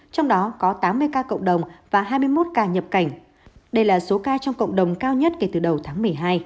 trong đó có tám mươi ca cộng đồng và hai mươi một ca nhập cảnh đây là số ca trong cộng đồng cao nhất kể từ đầu tháng một mươi hai